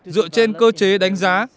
dựa trên cơ chế đánh giá